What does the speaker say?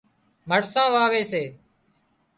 مرسان واوي سي